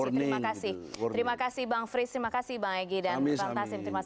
terima kasih terima kasih bang fris terima kasih bang egy dan bang tasim